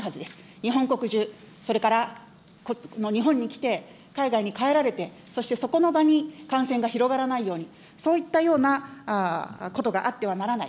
日本国中、それから日本に来て、海外に帰られて、そしてそこの場に感染が広がらないように、そういったようなことがあってはならない。